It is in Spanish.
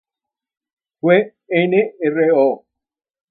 Fue Nro.